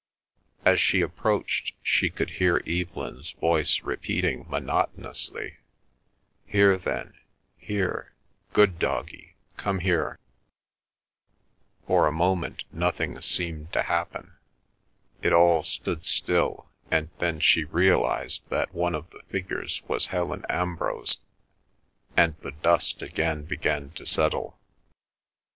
As she approached, she could hear Evelyn's voice repeating monotonously, "Here then—here—good doggie, come here"; for a moment nothing seemed to happen; it all stood still, and then she realised that one of the figures was Helen Ambrose; and the dust again began to settle.